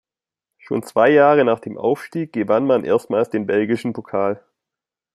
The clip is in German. Schon zwei Jahre nach dem Aufstieg gewann man erstmals den belgischen Pokal.